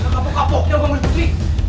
kapok kapoknya bangun putri